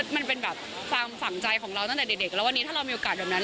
มันเป็นแบบความฝังใจของเราตั้งแต่เด็กแล้ววันนี้ถ้าเรามีโอกาสแบบนั้น